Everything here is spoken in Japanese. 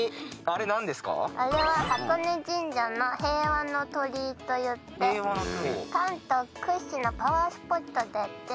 あれは箱根神社の平和の鳥居といって関東屈指のパワースポットだって。